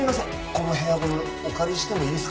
このヘアゴムお借りしてもいいですか？